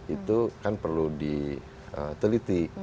itu kan perlu diteliti